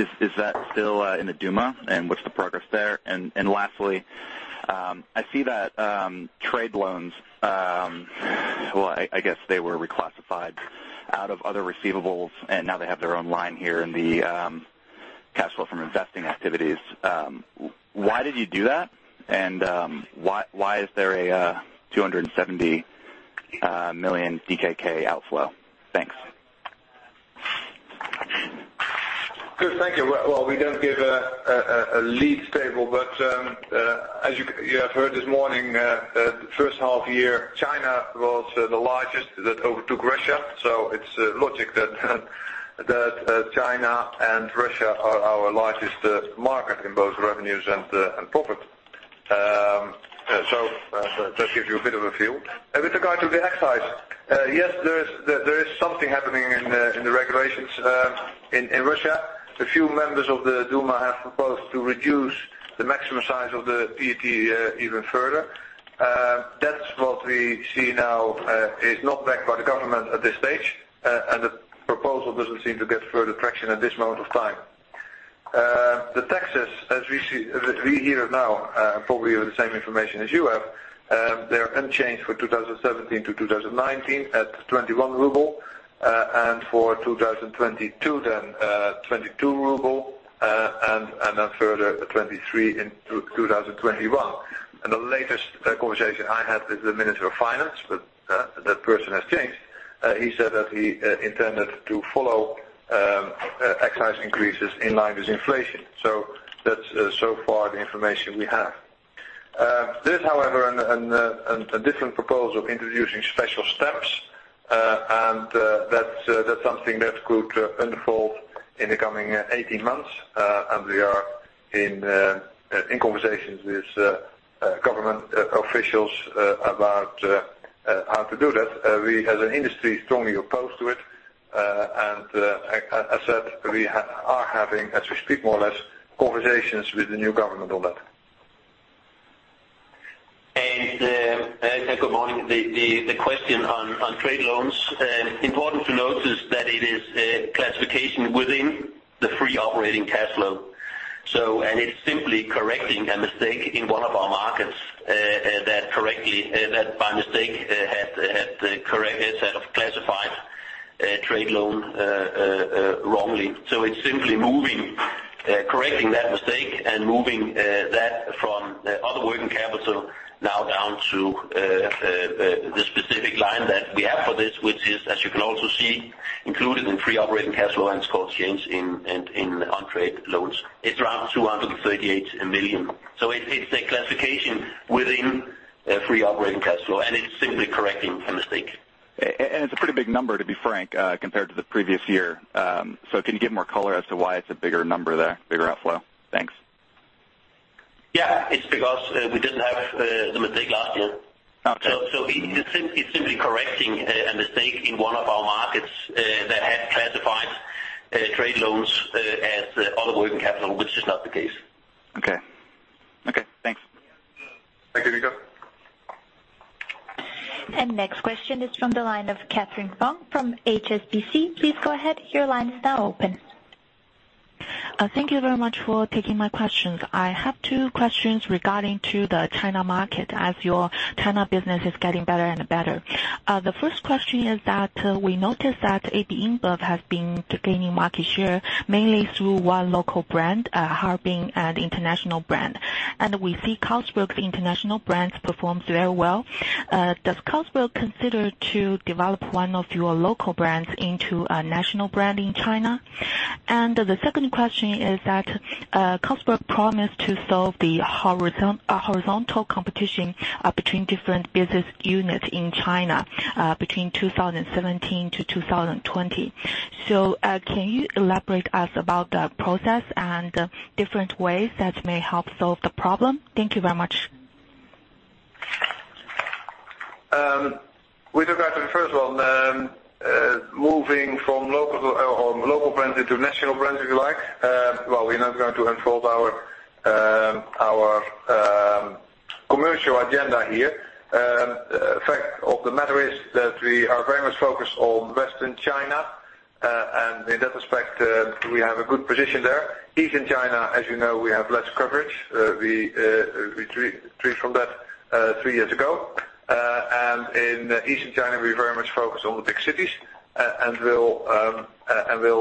in the Duma, and what's the progress there? Lastly, I see that trade loans, well, I guess they were reclassified out of other receivables, and now they have their own line here in the cash flow from investing activities. Why did you do that? And why is there a 270 million DKK outflow? Thanks. Good. Thank you. Well, we don't give a leads table. As you have heard this morning, the first half-year, China was the largest that overtook Russia. It's logical that China and Russia are our largest market in both revenues and profit. That gives you a bit of a feel. With regard to the excise. Yes, there is something happening in the regulations in Russia. A few members of the Duma have proposed to reduce the maximum size of the PET even further. That's what we see now is not backed by the government at this stage. The proposal doesn't seem to get further traction at this moment of time. The taxes, as we hear now, probably with the same information as you have, they're unchanged for 2017-2019 at 21 ruble, for 2022, then 22 ruble, then further 23 in 2021. In the latest conversation I had with the Minister of Finance, that person has changed. He said that he intended to follow excise increases in line with inflation. That's so far the information we have. There is, however, a different proposal of introducing special steps. That's something that could unfold in the coming 18 months, we are in conversations with government officials about how to do that. We, as an industry, strongly opposed to it. Like I said, we are having, as we speak, more or less, conversations with the new government on that. Good morning. The question on trade loans. Important to notice that it is a classification within the free operating cash flow. It's simply correcting a mistake in one of our markets that by mistake had the correct set of classified trade loans wrongly. It's simply correcting that mistake, moving that from other working capital now down to the specific line that we have for this, which is, as you can also see, included in free operating cash flow and score change in trade loans. It's around 238 million. It's a classification within a free operating cash flow, it's simply correcting a mistake. It's a pretty big number, to be frank, compared to the previous year. Can you give more color as to why it's a bigger number there, bigger outflow? Thanks. Yeah. It's because we didn't have the mistake last year. Okay. It's simply correcting a mistake in one of our markets that had classified trade loans as other working capital, which is not the case. Okay. Thanks. Thank you, Nico. Next question is from the line of Catherine Fong from HSBC. Please go ahead. Your line is now open. Thank you very much for taking my questions. I have two questions regarding to the China market as your China business is getting better and better. The first question is that we noticed that AB InBev has been gaining market share mainly through one local brand, Harbin, an international brand. We see Carlsberg's international brands performs very well. Does Carlsberg consider to develop one of your local brands into a national brand in China? The second question is that Carlsberg promised to solve the horizontal competition between different business units in China between 2017 to 2020. Can you elaborate us about the process and different ways that may help solve the problem? Thank you very much. With regard to the first one, moving from local brands into national brands, if you like. Well, we're not going to unfold our commercial agenda here. Fact of the matter is that we are very much focused on Western China, and in that respect, we have a good position there. Eastern China, as you know, we have less coverage. We retreat from that three years ago. In Eastern China, we very much focus on the Big Cities, and we'll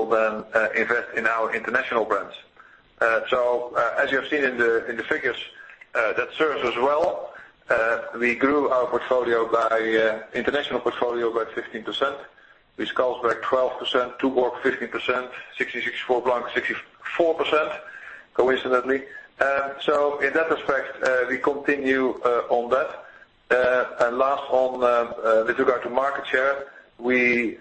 then invest in our international brands. As you have seen in the figures, that serves us well. We grew our international portfolio by 15%, with Carlsberg 12%, Tuborg 15%, 1664 Blanc 64%, coincidentally. In that respect, we continue on that. Last, with regard to market share, we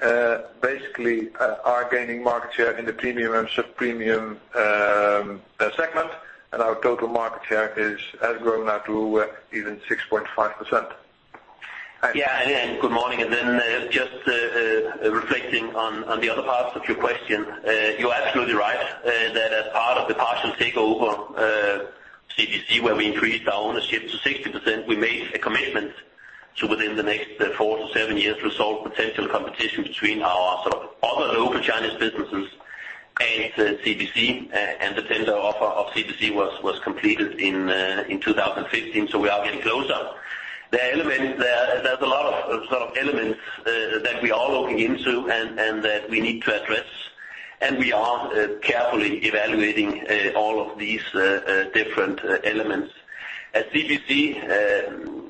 basically are gaining market share in the premium and sub-premium segment, and our total market share has grown now to even 6.5%. Thanks. Yeah. Good morning. Just reflecting on the other parts of your question. You're absolutely right, that as part of the partial takeover, CBC, where we increased our ownership to 60%, we made a commitment to, within the next four to seven years, resolve potential competition between our other local Chinese businesses and CBC. The tender offer of CBC was completed in 2015. We are getting closer. There's a lot of elements that we are looking into and that we need to address, and we are carefully evaluating all of these different elements. As CBC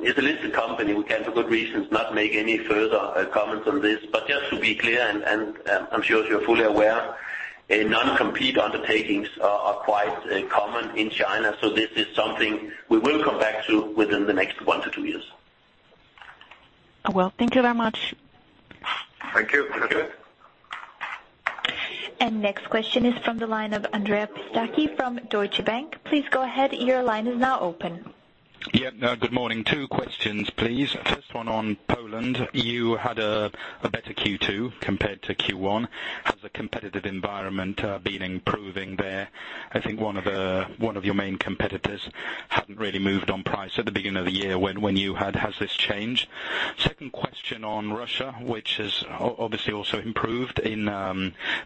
is a listed company, we can, for good reasons, not make any further comments on this. Just to be clear, and I'm sure you're fully aware, non-compete undertakings are quite common in China, this is something we will come back to within the next one to two years. Well, thank you very much. Thank you. Okay. Next question is from the line of Andrea Pistacchi from Deutsche Bank. Please go ahead. Your line is now open. Good morning. Two questions, please. First one on Poland. You had a better Q2 compared to Q1. Has the competitive environment been improving there? I think one of your main competitors hadn't really moved on price at the beginning of the year when you had. Has this changed? Second question on Russia, which has obviously also improved in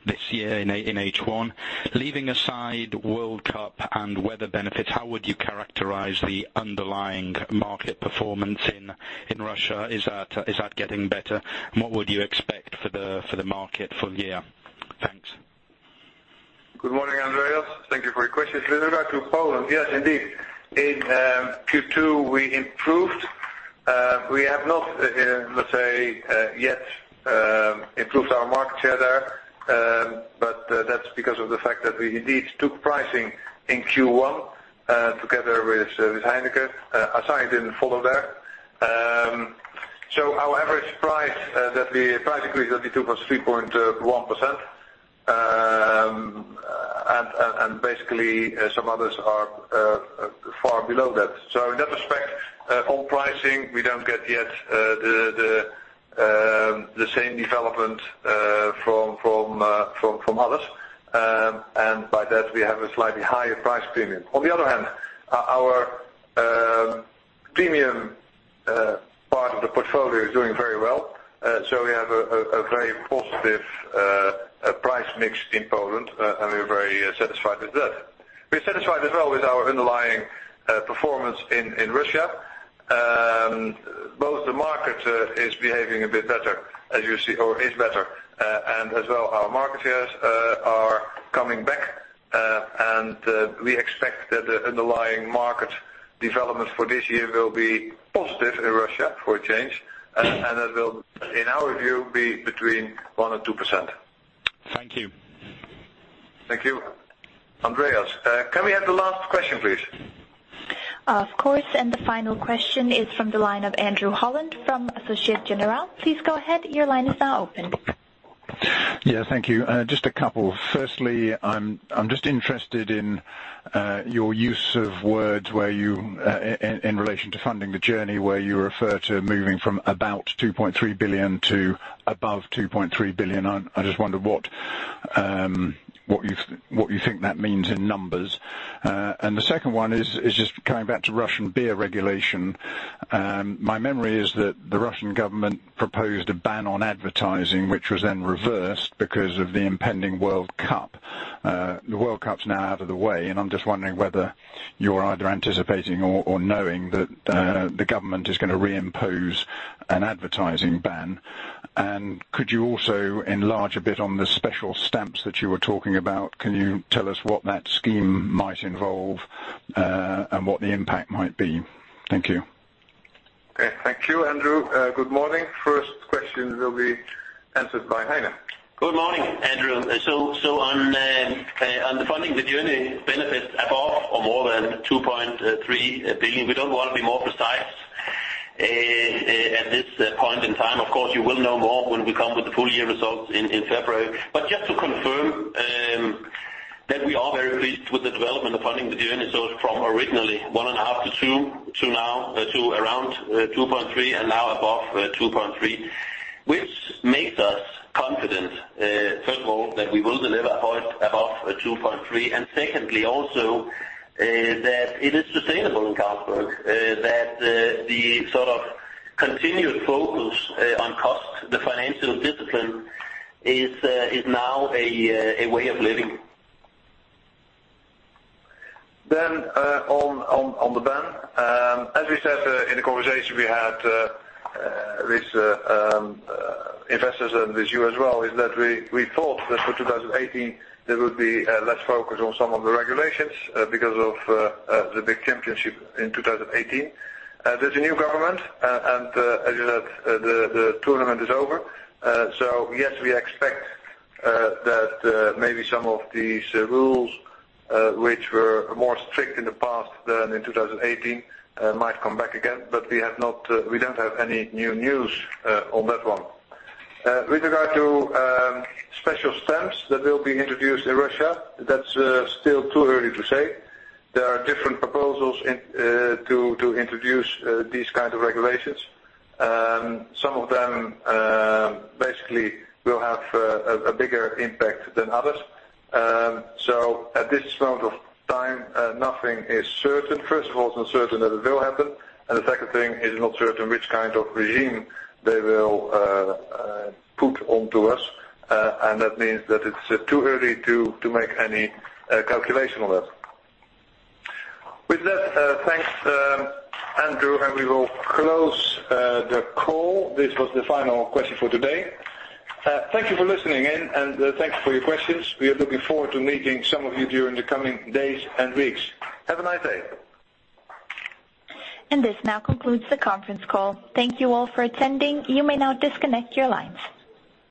this year in H1. Leaving aside World Cup and weather benefits, how would you characterize the underlying market performance in Russia? Is that getting better? What would you expect for the market full year? Thank you for your question. With regard to Poland, yes, indeed. In Q2 we improved. We have not yet improved our market share there, but that's because of the fact that we indeed took pricing in Q1, together with Heineken. Asahi didn't follow there. Our average price increase was 3.1%, basically some others are far below that. In that respect, on pricing, we don't get yet the same development from others. By that, we have a slightly higher price premium. On the other hand, our premium part of the portfolio is doing very well. We have a very positive price mix in Poland, and we're very satisfied with that. We're satisfied as well with our underlying performance in Russia. Both the market is behaving a bit better, as you see, or is better. As well, our market shares are coming back, and we expect that the underlying market development for this year will be positive in Russia for a change. That will, in our view, be between 1%-2%. Thank you. Thank you, Andrea. Can we have the last question, please? Of course. The final question is from the line of Andrew Holland from Societe Generale. Please go ahead. Your line is now open. Thank you. Just a couple. Firstly, I'm just interested in your use of words in relation to Funding the Journey where you refer to moving from about 2.3 billion to above 2.3 billion. I just wonder what you think that means in numbers. The second one is just coming back to Russian beer regulation. My memory is that the Russian government proposed a ban on advertising, which was then reversed because of the impending World Cup. The World Cup's now out of the way, and I'm just wondering whether you're either anticipating or knowing that the government is going to reimpose an advertising ban. Could you also enlarge a bit on the special stamps that you were talking about? Can you tell us what that scheme might involve, and what the impact might be? Thank you. Thank you, Andrew. Good morning. First question will be answered by Heine. Good morning, Andrew. On the Funding the Journey benefits above or more than 2.3 billion. We don't want to be more precise at this point in time. Of course, you will know more when we come with the full year results in February. Just to confirm that we are very pleased with the development of Funding the Journey. From originally one and a half billion to two billion, to around 2.3 billion and now above 2.3 billion, which makes us confident, first of all, that we will deliver above 2.3 billion. Secondly, also that it is sustainable in Carlsberg that the continued focus on costs, the financial discipline is now a way of living. On the ban. As we said in the conversation we had with investors and with you as well, is that we thought that for 2018 there would be less focus on some of the regulations because of the big championship in 2018. There's a new government and as you said, the tournament is over. Yes, we expect that maybe some of these rules which were more strict in the past than in 2018 might come back again. We don't have any new news on that one. With regard to special stamps that will be introduced in Russia, that's still too early to say. There are different proposals to introduce these kinds of regulations. Some of them basically will have a bigger impact than others. At this moment of time, nothing is certain. First of all, it's uncertain that it will happen. The second thing, it's not certain which kind of regime they will put onto us. That means that it's too early to make any calculation on that. With that, thanks, Andrew, and we will close the call. This was the final question for today. Thank you for listening in, and thanks for your questions. We are looking forward to meeting some of you during the coming days and weeks. Have a nice day. This now concludes the conference call. Thank you all for attending. You may now disconnect your lines.